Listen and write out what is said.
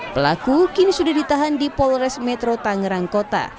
pelaku kini sudah ditahan di polres metro tangerang kota